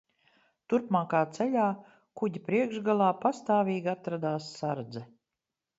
Turpmākā ceļā kuģa priekšgalā pastāvīgi atradās sardze.